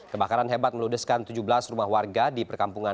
kebakaran hebat meludeskan tujuh belas rumah warga di perkampungan